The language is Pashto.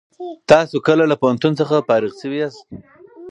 تاسو کله له پوهنتون څخه فارغ شوي یاست؟